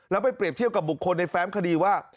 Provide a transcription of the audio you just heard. แล้วไปเปรียบเทียบกับบุคคลในแฟ้มคดีว่า